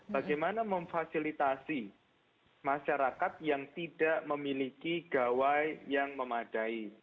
bagaimana memfasilitasi masyarakat yang tidak memiliki gawai yang memadai